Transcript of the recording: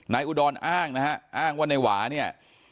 อุดรอ้างนะฮะอ้างว่านายหวาเนี่ย